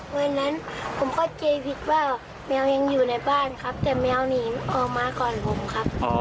วันนั้นผมเข้าใจผิดว่าแมวยังอยู่ในบ้านครับแต่แมวหนีออกมาก่อนผมครับ